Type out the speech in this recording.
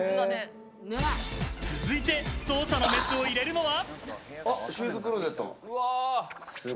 続いて捜査のメスを入れるのは。